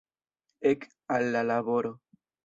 Ek al la laboro!